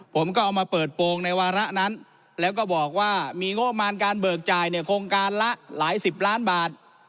ผมก็เอามาเปิดโปรงในวาระนั้นแล้วก็บอกว่ามีงบประมาณการเบิกจ่ายเนี่ยโครงการละหลายสิบล้านบาท